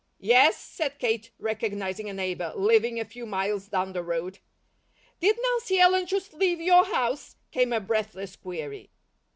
"Yes," said Kate, recognizing a neighbour, living a few miles down the road. "Did Nancy Ellen just leave your house?" came a breathless query.